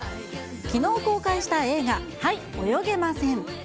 きのう公開した映画、はい、泳げません。